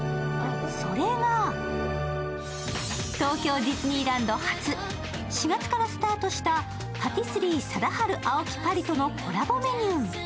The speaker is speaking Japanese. それが東京ディズニーランド初、４月からスタートしたパティスリー・サダハル・アオキ・パリとのコラボメニュー。